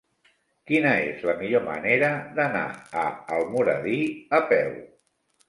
Quina és la millor manera d'anar a Almoradí a peu?